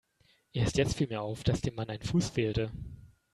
Erst jetzt fiel mir auf, dass dem Mann ein Fuß fehlte.